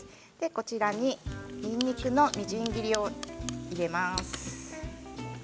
こちらににんにくのみじん切りを入れます。